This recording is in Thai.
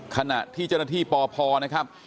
ขณะที่เจ้าหน้าที่ปพนะครับ